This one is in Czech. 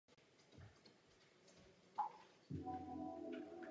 Dlouhá léta než se stal prezidentem vykonával funkci předsedy nejvyššího soudu.